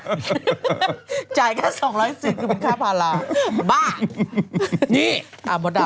ทงกายแค่๒๐๐สิบคือค่าพารา